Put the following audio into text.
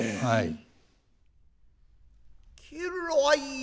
はい。